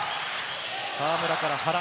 河村から原。